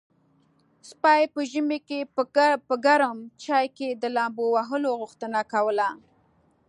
سپي په ژمي کې په ګرم چای کې د لامبو وهلو غوښتنه کوله.